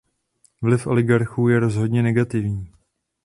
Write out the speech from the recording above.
Vliv oligarchů je rozhodně negativní.